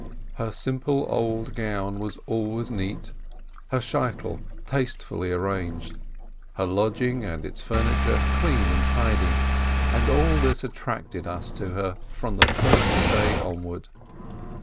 Her simple old gown was always neat, her wig tastefully arranged, her lodging and its furniture clean and tidy — and all this attracted us to 296 BERSCHADSKI her from the first day onward.